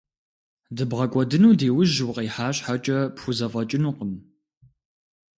ДыбгъэкӀуэдыну ди ужь укъыхьа щхькӀэ пхузэфӏэкӏынукъым.